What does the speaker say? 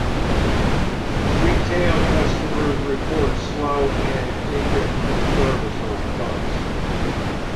Retail customers report slow and indifferent service on bugs.